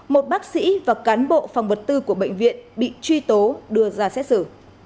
một bác sĩ và cán bộ phòng vật tư của bệnh viện bị truy tố đưa ra xét xử